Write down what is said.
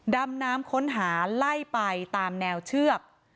ดำน้ำค้นหาไล่ไปตามแนวเชือก